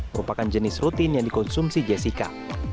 merupakan jenis rutin yang dikonsumsi jessica